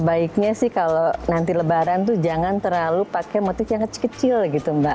baiknya sih kalau nanti lebaran tuh jangan terlalu pakai motif yang kecil kecil gitu mbak